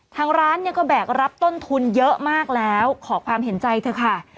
ทางร้านเนี่ยก็แบกรับต้นทุนเยอะมากแล้วขอความเห็นใจเถอะค่ะ